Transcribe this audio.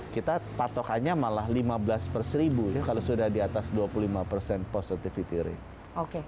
kita patokannya malah lima belas per seribu kalau sudah di atas dua puluh lima persen positivity rate